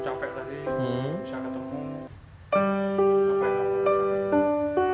apa yang kamu rasakan